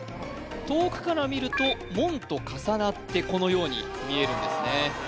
遠くから見ると門と重なってこのように見えるんですね